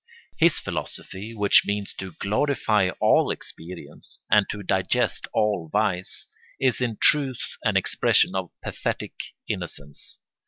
His philosophy, which means to glorify all experience and to digest all vice, is in truth an expression of pathetic innocence.